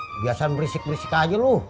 kebiasaan berisik berisik aja loh